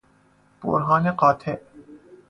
برهان قاطع